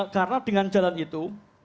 karena dengan jalan itu